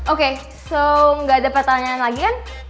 oke so nggak ada pertanyaan lagi kan